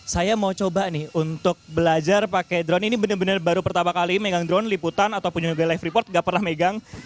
saya mau coba nih untuk belajar pakai drone ini benar benar baru pertama kali megang drone liputan ataupun juga be live report gak pernah megang